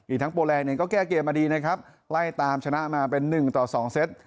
อีกทั้งโปรแลนด์เนี่ยก็แก้เกียรติมาดีนะครับไล่ตามชนะมาเป็น๑ต่อ๒เซ็ต